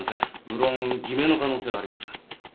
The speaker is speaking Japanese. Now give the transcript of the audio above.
無論偽名の可能性はありますが。